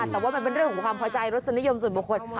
แต่ว่ามันเป็นเรื่องของความพอใจรสนิยมส่วนบุคคล